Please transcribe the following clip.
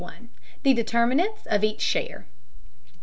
THE DETERMINANTS OF EACH SHARE.